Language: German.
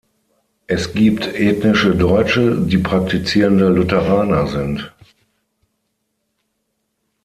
Es gibt ethnische Deutsche, die praktizierende Lutheraner sind.